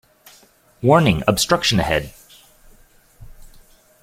Warning! Obstruction ahead.